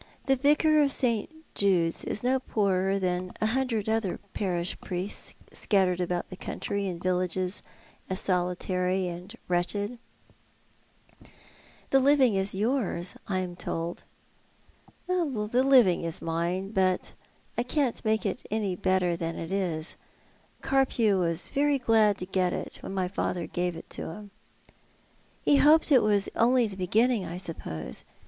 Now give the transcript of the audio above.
"The Yicar of St. Jude's is no poorer than a hundred other jDarish priests scattered about the country in villages as solitary and wretched." " The living is yours, I am told." "Yes, the living is mine, but I can't make it any better than it is. Carpew was very glad to get it when my father gave it to him." " Ho hoped it was only the boginuiog, I suppose.